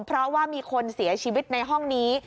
เพราะว่ามีคนเสียชีวิตในห้องนี้